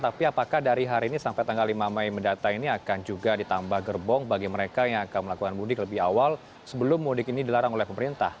tapi apakah dari hari ini sampai tanggal lima mei mendatang ini akan juga ditambah gerbong bagi mereka yang akan melakukan mudik lebih awal sebelum mudik ini dilarang oleh pemerintah